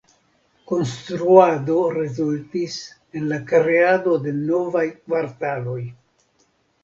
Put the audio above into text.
Konstruado rezultis en la kreado de novaj kvartaloj.